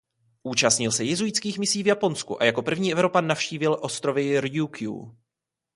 Účastnil se jezuitských misí v Japonsku a jako první Evropan navštívil ostrovy Rjúkjú.